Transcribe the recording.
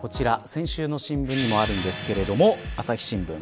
先週の新聞にもあるんですけども朝日新聞。